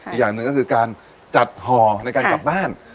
อีกอย่างหนึ่งก็คือการจัดห่อในการกลับบ้าน